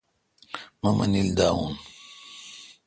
مہ منیل داوان